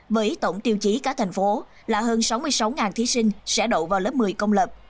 với tổng tiêu chí cả thành phố là hơn sáu mươi sáu thí sinh sẽ đậu vào lớp một mươi công lập